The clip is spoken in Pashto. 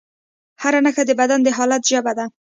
هره نښه د بدن د حالت ژبه ده.